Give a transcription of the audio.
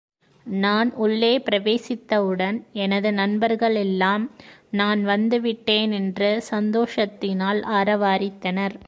நான் உள்ளே பிரவேசித்தவுடன் எனது நண்பர்களெல்லாம், நான் வந்து விட்டேனென்று சந்தோஷத்தினால் ஆரவாரித்தனர்.